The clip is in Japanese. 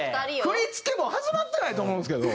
振付も始まってないと思うんですけど。